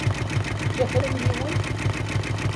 Yella kra n yiwen?